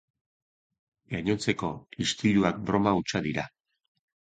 Gainontzeko istiluak broma hutsa dira.